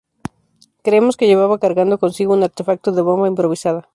Creemos que llevaba cargando consigo un artefacto de bomba improvisada".